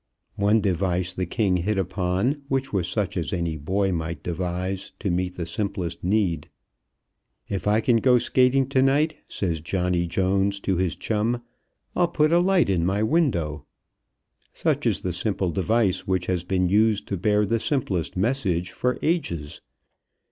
One device the king hit upon which was such as any boy might devise to meet the simplest need. "If I can go skating tonight," says Johnny Jones to his chum, "I'll put a light in my window." Such is the simple device which has been used to bear the simplest message for ages.